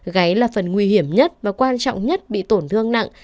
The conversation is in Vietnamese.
gáy là phần nguy hiểm nhất và quan trọng nhất bị tổn thương nặng